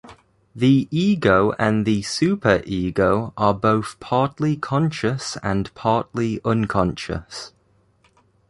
The ego and the super-ego are both partly conscious and partly unconscious.